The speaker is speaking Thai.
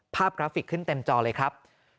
กราฟิกขึ้นเต็มจอเลยครับ